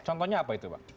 contohnya apa itu pak